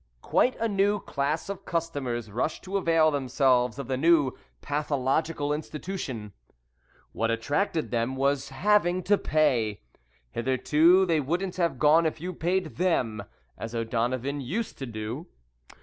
Quite a new class of customers rushed to avail themselves of the new pathological institution. What attracted them was having to pay. Hitherto they wouldn't have gone if you paid them, as O'Donovan used to do.